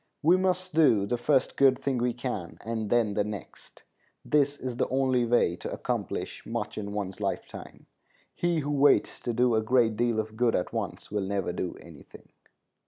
We must do the first good thing we can, and then the next. This is the only way to accomplish much in one's lifetime. He who waits to do a great deal of good at once will never do any thing.